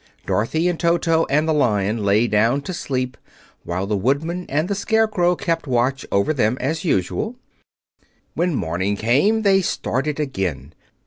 Dorothy and Toto and the Lion lay down to sleep, while the Woodman and the Scarecrow kept watch over them as usual. When morning came, they started again.